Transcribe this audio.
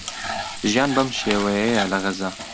ژیان بەم شێوەیەیە لە غەزە.